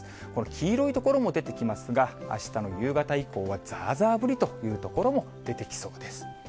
黄色い所も出てきますが、あしたの夕方以降は、ざーざー降りという所も出てきそうです。